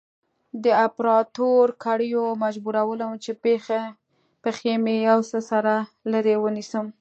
د اپراتو کړيو مجبورولم چې پښې مې يو څه سره لرې ونيسم.